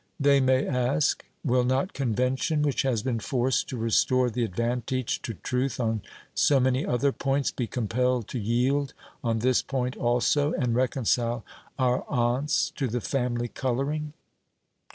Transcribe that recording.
they may ask. Will not convention, which has been forced to restore the advantage to truth on so many other points, be compelled to yield on this point also, and reconcile our aunts to the family colouring?